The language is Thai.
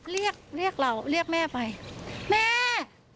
เรียกเรียกเราเรียกแม่ไปแม่